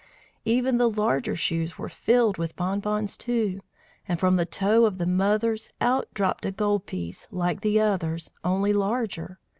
Even the larger shoes were filled with bonbons, too, and from the toe of the mother's out dropped a gold piece, like the others, only larger.